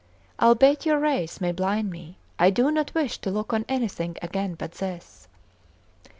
Albeit your rays may blind me, I do not wish to look on anything again but this!"